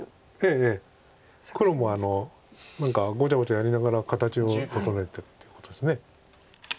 ええ黒も何かごちゃごちゃやりながら形を整えてっていうことです。